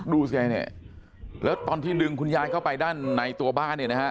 ดูสิเนี่ยแล้วตอนที่ดึงคุณยายเข้าไปด้านในตัวบ้านเนี่ยนะฮะ